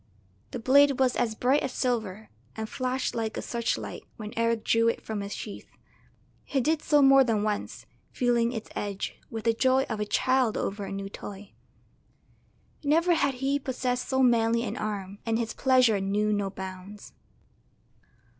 The blade was as bright as silver, and flashed like a searchlight when Eric drew it from its sheath. He did so more than once, feeling its edge, with the joy of a child over a new toy. Never had he possessed so manly an arm, and his pleasure knew no bounds.